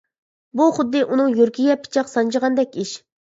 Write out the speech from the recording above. بۇ خۇددى ئۇنىڭ يۈرىكىگە پىچاق سانجىغاندەك ئىش.